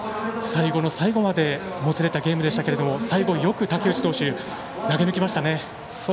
最後の最後までもつれたゲームでしたけれども最後よく武内投手投げ抜きましたね。